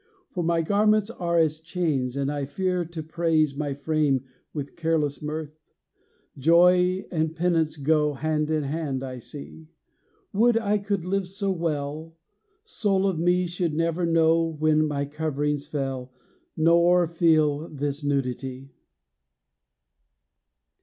For my garments are as chains; And I fear to praise My frame with careless mirth. Joy and penance go Hand in hand, I see! Would I could live so well, Soul of me should never know When my coverings fell, Nor feel this nudity!